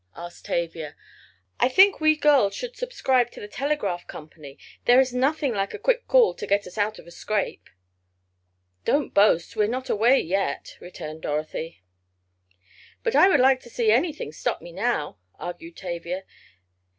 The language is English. asked Tavia. "I think we girls should subscribe to the telegraph company. There is nothing like a quick call to get us out of a scrape." "Don't boast, we are not away yet," returned Dorothy. "But I would like to see anything stop me now," argued Tavia.